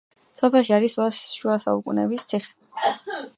სოფელში არის შუა საუკუნეების ციხე.